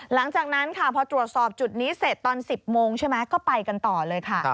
หลังจากนั้นค่ะพอตรวจสอบจุดนี้เสร็จตอน๑๐โมงใช่ไหมก็ไปกันต่อเลยค่ะ